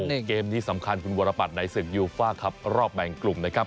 นี่เกมนี้สำคัญคุณวรปัตรในศึกยูฟ่าครับรอบแบ่งกลุ่มนะครับ